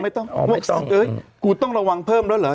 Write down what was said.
ไม่ต้องเอ๊ยกูต้องระวังเพิ่มแล้วเหรอ